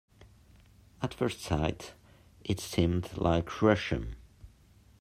At first sight it seemed like Russian.